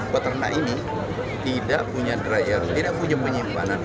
peternak ini tidak punya dryer tidak punya penyimpanan